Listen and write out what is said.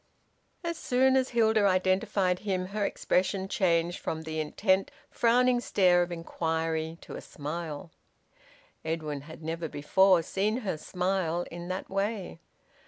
As soon as Hilda identified him her expression changed from the intent frowning stare of inquiry to a smile. Edwin had never before seen her smile in that way.